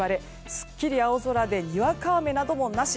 すっきり青空でにわか雨などもなし。